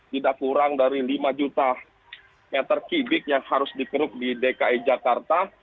tidak kurang dari lima juta meter kubik yang harus dikeruk di dki jakarta